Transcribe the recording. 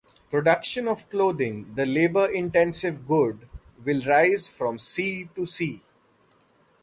Production of clothing, the labour-intensive good, will rise from "C" to "C".